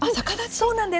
そうなんです。